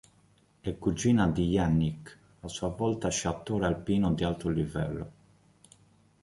È cugina di Yannick, a sua volta sciatore alpino di alto livello.